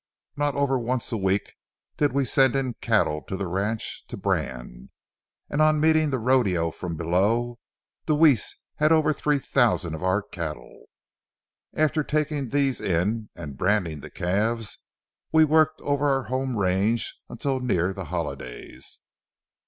Not over once a week did we send in cattle to the ranch to brand, and on meeting the rodeo from below, Deweese had over three thousand of our cattle. After taking these in and branding the calves, we worked over our home range until near the holidays.